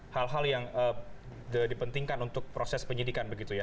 hal hal yang dipentingkan untuk proses penyidikan begitu ya